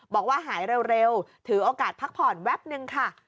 บอกว่าหายเร็วถือโอกาสพักผ่อนแวบนึงค่ะ